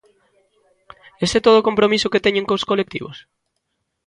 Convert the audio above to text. ¿Ese é todo o compromiso que teñen cos colectivos?